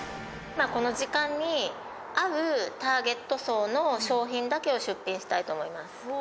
今この時間に合うターゲット層の商品だけを出品したいと思います。